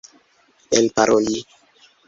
elparoli